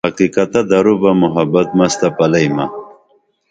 حقیقتہ درو بہ محبت مس تہ پلئی مہ